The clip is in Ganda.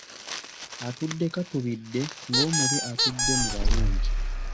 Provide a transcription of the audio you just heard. Atudde katubidde, ng’omubi atudde mu balungi.